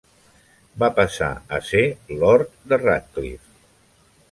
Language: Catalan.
Va passar a ser lord de Radcliffe.